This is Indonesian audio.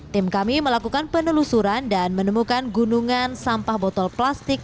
tim kami melakukan penelusuran dan menemukan gunungan sampah botol plastik